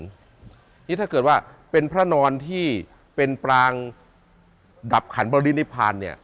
อันนี้ถ้าเกิดว่าเป็นพระนอนที่เป็นปรางดับขันบรินิพานเนี่ย